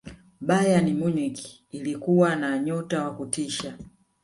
bayern munich ilikuwa na nyota wa kutisha